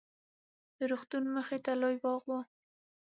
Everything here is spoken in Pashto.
د روغتون مخې ته لوى باغ و.